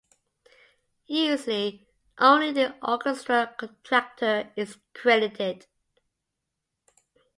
Usually, only the "orchestra contractor" is credited.